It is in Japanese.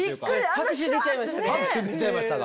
拍手出ちゃいましたね。